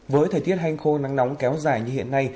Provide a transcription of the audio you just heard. với thời tiết hanh khô nắng nóng kéo dài như hiện nay